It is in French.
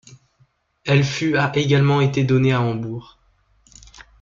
Elle fut a également été donnée à Hambourg.